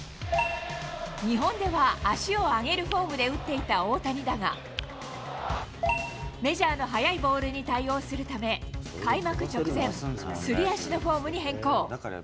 日本では足を上げるフォームで打っていた大谷だが、メジャーの速いボールに対応するため、開幕直前、すり足のフォームに変更。